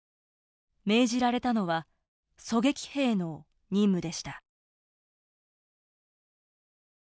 命じられたのは狙撃兵の任務でした。